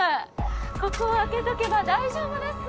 ここを開けとけば大丈夫です。